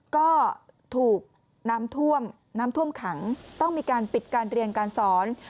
ก็ถูกน้ำท่วมน้ำท่วมขังต้องมีการปิดการเรียนการสอน